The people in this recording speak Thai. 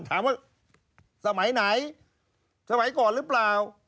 ถามว่าสมัยไหนสมัยก่อนหรือเปล่า